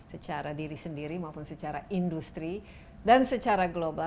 secara diri sendiri maupun secara industri dan secara global